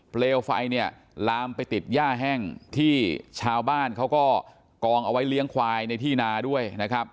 เปลวไฟเนี่ยลามไปติดย่าแห้งที่ชาวบ้านเขาก็กองเอาไว้เลี้ยงควายในที่นาด้วยนะครับ